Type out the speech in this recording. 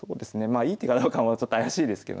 いい手かどうかもちょっと怪しいですけどね。